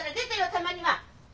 たまには。